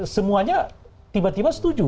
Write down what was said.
semuanya tiba tiba setuju